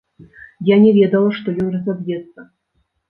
Я не ведала, што ён разаб'ецца.